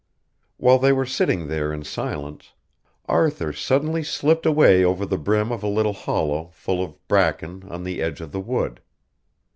While they were sitting there in silence, Arthur suddenly slipped away over the brim of a little hollow full of bracken on the edge of the wood.